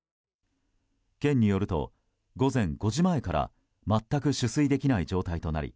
県によると午前５時前から全く取水できない状態となり